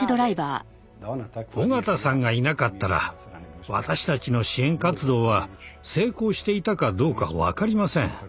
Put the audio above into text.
緒方さんがいなかったら私たちの支援活動は成功していたかどうか分かりません。